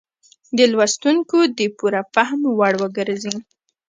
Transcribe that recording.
د لوستونکو د پوره فهم وړ وګرځي.